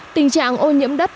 tình trạng ô nhiễm đất